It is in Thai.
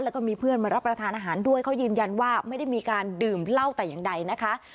แล้วก็มีเพื่อนมารับประทานอาหารด้วยเขายืนยันว่าไม่ได้มีการดื่มเหล้าแต่อย่างใดนะคะ